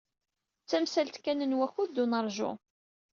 D tamsalt kan n wakud d unaṛju.